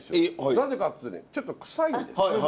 なぜかっつうとねちょっと臭いんですよ。